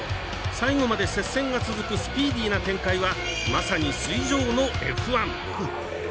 最後まで接戦が続くスピーディーな展開はまさに水上のＦ１。